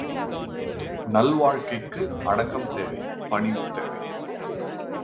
நல்வாழ்க்கைக்கு அடக்கம் தேவை, பணிவு தேவை.